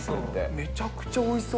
めちゃくちゃおいしい。